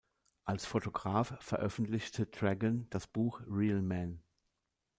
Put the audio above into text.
Als Fotograf veröffentlichte Dragon das Buch "Real Men".